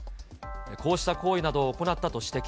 こうした行為などを行ったと指摘。